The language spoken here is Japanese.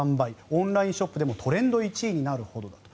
オンラインショップでもトレンド１位になるほどだと。